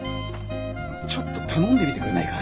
ちょっと頼んでみてくれないか？